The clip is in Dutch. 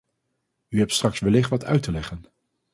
U hebt straks wellicht wat uit te leggen.